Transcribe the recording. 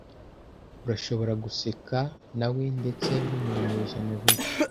urashobora guseka nawe ndetse no mu binyejana bibi